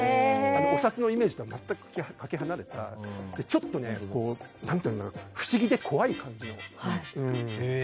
お札のイメージとは全くかけ離れたちょっと不思議で怖い感じなんです。